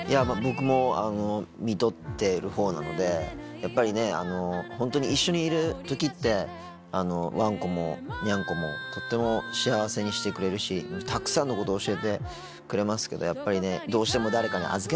やっぱりねホントに一緒にいるときってワンコもニャンコもとっても幸せにしてくれるしたくさんのことを教えてくれますけどやっぱりね。